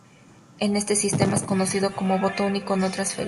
Este sistema es conocido como voto único no transferible.